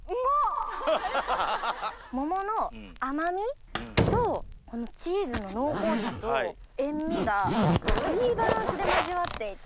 桃の甘みとこのチーズの濃厚さと塩味がいいバランスで交わっていて。